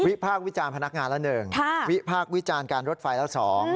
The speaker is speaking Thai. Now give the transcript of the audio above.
วิภาควิจารณ์พนักงานแล้วหนึ่งค่ะวิภาควิจารณ์การรถไฟแล้วสอง